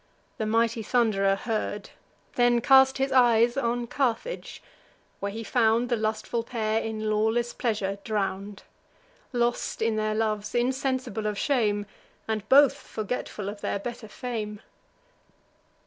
The mighty Thund'rer heard; Then cast his eyes on Carthage, where he found The lustful pair in lawless pleasure drown'd, Lost in their loves, insensible of shame, And both forgetful of their better fame.